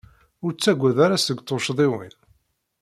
Ur ttaggad ara seg tucḍiwin.